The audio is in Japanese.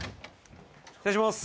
失礼します。